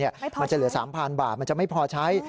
มันจะเหลือ๓๐๐๐บาทมันจะไม่พอใช้